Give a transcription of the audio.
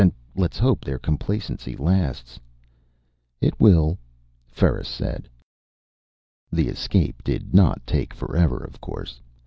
And let's hope their complacency lasts." "It will," Ferris said. The escape did not take forever, of course.